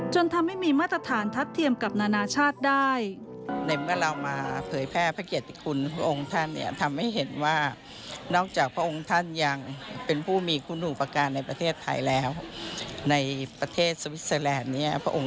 จนทำให้มีมาตรฐานทัดเทียมกับนานาชาติได้